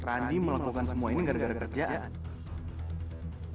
randy melakukan semua ini gara gara kerjaan